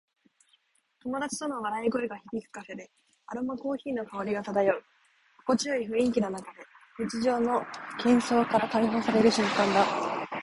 友達との笑い声が響くカフェで、アロマコーヒーの香りが漂う。心地よい雰囲気の中で、日常の喧騒から解放される瞬間だ。